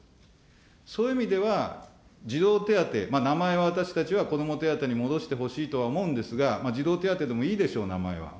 そういう意味では、児童手当、名前は、私たちは子ども手当に戻してほしいとは思うんですが、児童手当でもいいでしょう、名前は。